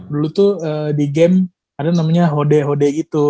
dulu tuh di game ada namanya hode hode itu